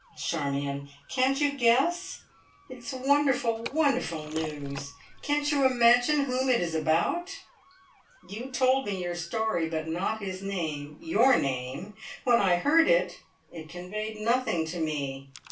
Charmion, can't you guess? It is wonderful, wonderful news. Can't you imagine whom it is about? You told me your story, but not his name your name! When I heard it, it conveyed nothing to me.